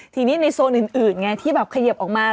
ทีนี้ในโซนอื่นไงที่แบบเขยิบออกมา